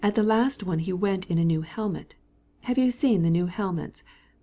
He went to a big ball in a new helmet. Have you seen the new helmets?